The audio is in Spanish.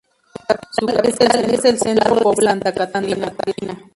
Su capital es el centro poblado de Santa Catalina.